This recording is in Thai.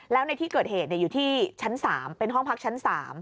แล้วในที่เกิดเหตุอยู่ที่ชั้น๓เป็นห้องพักชั้น๓